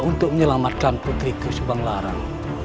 untuk menyelamatkan putriku subanglarang